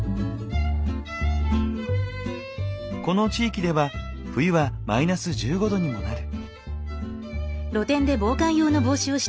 この地域では冬はマイナス１５度にもなる。